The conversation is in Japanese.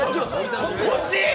こっち！？